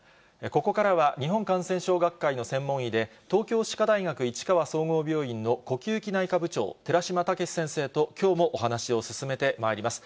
ここからは日本感染症学会の専門医で、東京歯科大学市川総合病院の呼吸器内科部長、寺嶋毅先生ときょうもお話を進めてまいります。